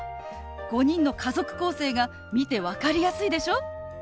５人の家族構成が見て分かりやすいでしょ？